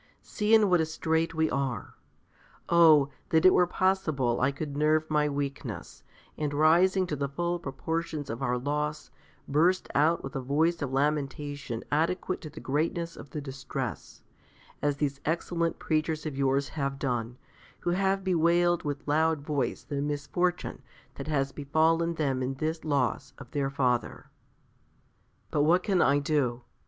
See in what a strait we are. Oh! that it were possible I could nerve my weakness, and rising to the full proportions of our loss, burst out with a voice of lamentation adequate to the greatness of the distress, as these excellent preachers of yours have done, who have bewailed with loud voice the misfortune that has befallen them in this loss of their father. But what can I do?